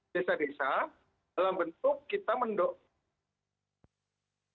desa desa dalam bentuk kita mendorong